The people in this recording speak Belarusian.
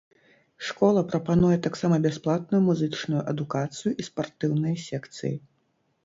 Школа прапануе таксама бясплатную музычную адукацыю і спартыўныя секцыі.